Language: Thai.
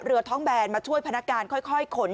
เรือท้องแบนมาช่วยพนักการค่อยขน